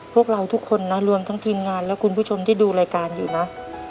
พวกเราทุกคนนะรวมทั้งทีมงานและคุณผู้ชมที่ดูรายการอยู่นะ